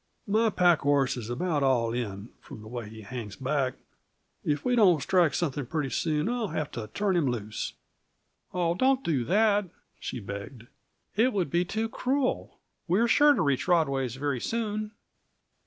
My packhorse is about all in, from the way he hangs back; if we don't strike something pretty soon I'll have to turn him loose." "Oh, don't do that," she begged. "It would be too cruel. We're sure to reach Rodway's very soon."